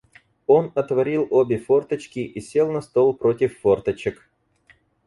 Он отворил обе форточки и сел на стол против форточек.